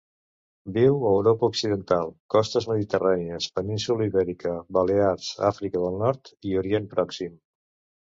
Viu a Europa Occidental, costes mediterrànies, península Ibèrica, Balears, Àfrica del Nord i Orient Pròxim.